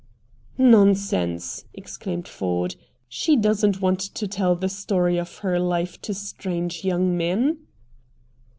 "Nonsense!" exclaimed Ford. "She doesn't want to tell the story of her life to strange young men."